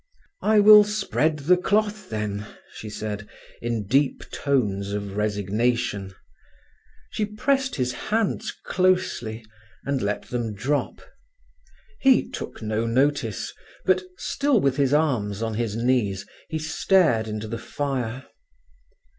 "I will spread the cloth, then," she said, in deep tones of resignation. She pressed his hands closely, and let them drop. He took no notice, but, still with his arms on his knees, he stared into the fire.